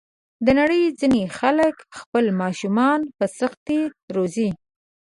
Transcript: د نړۍ ځینې خلک خپل ماشومان په سختۍ روزي.